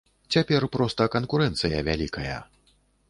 Цяпер проста канкурэнцыя вялікая.